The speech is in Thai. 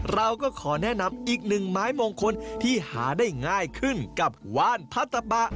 เราก็ขอแนะนำอีกหนึ่งไม้มงคลที่หาได้ง่ายขึ้นกับว่านพัตตะบะ